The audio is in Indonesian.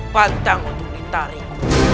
pantang untuk ditarik